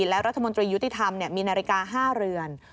และรัฐมนตรียุติธรรมมีนาฬิกา๕เรือน